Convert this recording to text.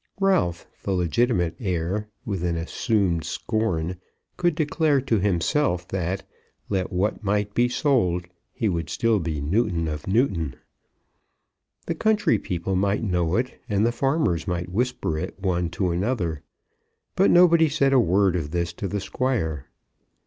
Ralph, the legitimate heir, with an assumed scorn, could declare to himself that, let what might be sold, he would still be Newton of Newton. The country people might know it, and the farmers might whisper it one to another. But nobody said a word of this to the Squire.